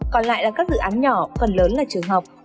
còn lại là các dự án nhỏ phần lớn là trường học